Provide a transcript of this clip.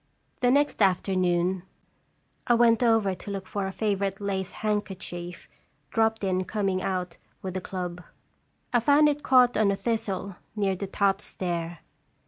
The next afternoon I went over to look for a favorite lace handkerchief, dropped in coming out with the club. I found it caught on a thistle, near the top stair.